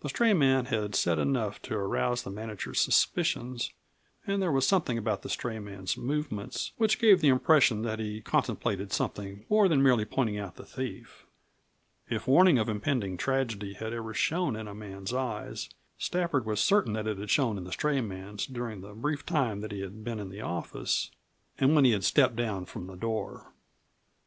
The stray man had said enough to arouse the manager's suspicions, and there was something about the stray man's movements which gave the impression that he contemplated something more than merely pointing out the thief. If warning of impending tragedy had ever shone in a man's eyes, Stafford was certain that it had shone in the stray man's during the brief time that he had been in the office and when he had stepped down from the door.